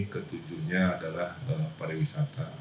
ketujuhnya adalah pariwisata